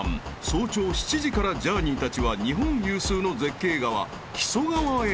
［早朝７時からジャーニーたちは日本有数の絶景川木曽川へ］